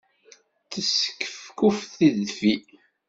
Teskefkuf tedfi.